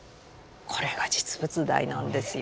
これが実物大なんですよ。